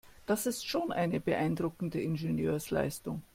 Das ist schon eine beeindruckende Ingenieursleistung.